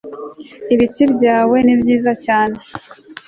ibitsi byawe ni byiza cyane